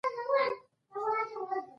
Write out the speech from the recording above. زه اوس لږ ستړی یم.